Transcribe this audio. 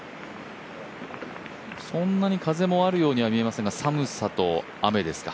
そんなに風もあるように見えませんが、寒さと雨ですか。